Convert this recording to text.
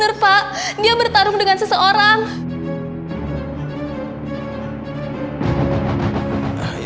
eh bunga bunga bunga